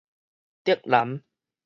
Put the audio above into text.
竹南